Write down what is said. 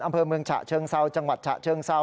อำเภอเมืองฉะเชิงเซาจังหวัดฉะเชิงเซา